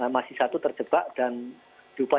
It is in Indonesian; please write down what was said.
masih satu terjebak dan diupayakan melalui